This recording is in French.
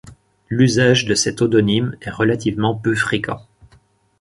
L'usage de cet odonyme est relativement peu fréquent.